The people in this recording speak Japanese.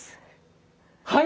はい。